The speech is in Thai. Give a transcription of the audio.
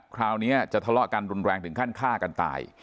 คราวนี้จะทะเลาะกันรุนแรงถึงขั้นฆ่ากันตาย